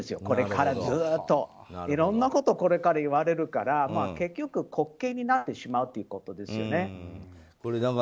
これからずっと、いろんなことをこれから言われるから結局、滑稽になってしまうということですよね。